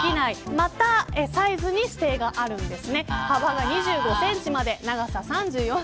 また、サイズにも指定があります。